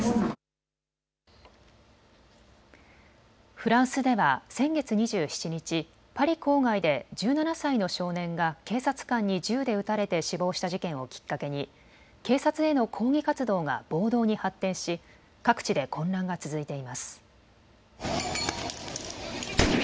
フランスでは先月２７日、パリ郊外で１７歳の少年が警察官に銃で撃たれて死亡した事件をきっかけに警察への抗議活動が暴動に発展し各地で混乱が続いています。